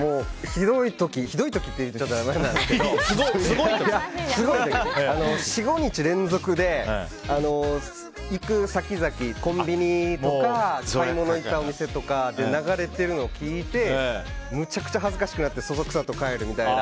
ひどい時というとあれですけどすごい時には４５日連続で行く先々コンビニとか買い物に行ったお店とかで流れているのを聴いてめちゃくちゃ恥ずかしくてそそくさと帰るみたいな。